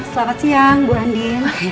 selamat siang bu andien